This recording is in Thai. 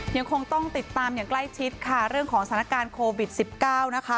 ยังคงต้องติดตามอย่างใกล้ชิดค่ะเรื่องของสถานการณ์โควิด๑๙นะคะ